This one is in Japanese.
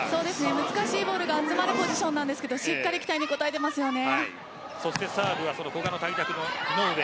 難しいボールが集まるポジションですがしっかり期待に応えていますね。